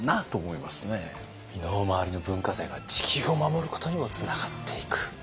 身の回りの文化財が地球を守ることにもつながっていく。